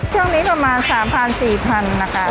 ช่วงนี้ประมาณ๓๐๐๔๐๐๐นะคะ